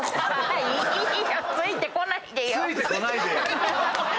「ついてこないでよ」